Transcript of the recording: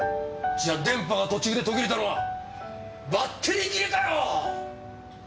じゃ電波が途中で途切れたのはバッテリー切れかよ！